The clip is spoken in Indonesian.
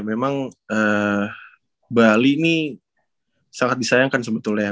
memang bali ini sangat disayangkan sebetulnya